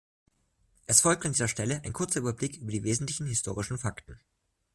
Es folgt an dieser Stelle ein kurzer Überblick über die wesentlichen historischen Fakten.